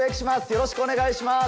よろしくお願いします。